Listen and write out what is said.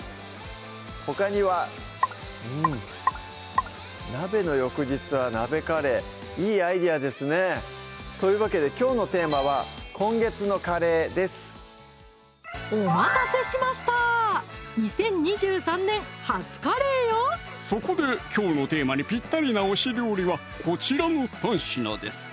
ほかにはうん「鍋の翌日は鍋カレー」いいアイデアですねというわけできょうのテーマは「今月のカレー」ですそこできょうのテーマにぴったりな推し料理はこちらの３品です